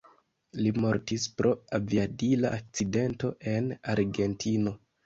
Li mortis pro aviadila akcidento en Argentino.